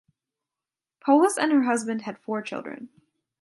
Polis and her husband had four children.